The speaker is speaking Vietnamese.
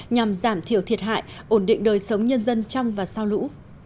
nhằm giảm thiểu thiệt hại ổn định đời sống nhân dân trong và sau lũ